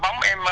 của đội bóng em